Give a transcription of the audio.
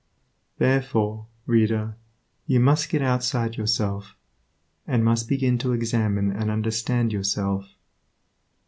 Therefore, reader, you must get outside yourself, and must begin to examine and understand yourself.